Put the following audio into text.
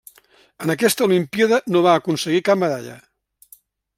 En aquesta olimpíada no va aconseguir cap medalla.